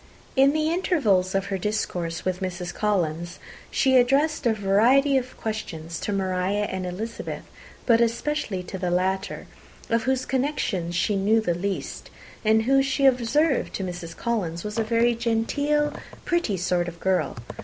In the intervals of her discourse with Mrs. Collins, she addressed a variety of questions to Maria and Elizabeth, but especially to the latter, of whose connections she knew the least, and who, she observed to Mrs. Collins, was a very genteel, pretty kind of girl.